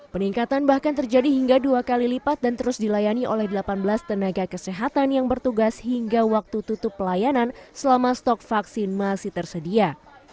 peningkatan bahkan terjadi hingga dua kali lipat dan terus dilayani oleh delapan belas tenaga kesehatan yang bertugas hingga waktu tutup pelayanan selama stok vaksin masih tersedia